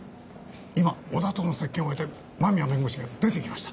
今小田との接見を終えて間宮弁護士が出ていきました。